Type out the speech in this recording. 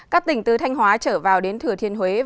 các tỉnh từ thanh hóa trở vào đến thừa thiên huế về trưa